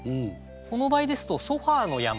この場合ですと「ソファーの山」